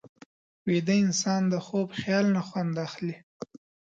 ویده انسان د خوب خیال نه خوند اخلي